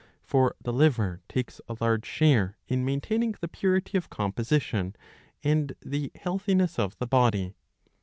For the liver takes a large share in maintaining the purity of composition and the healthiness of the body.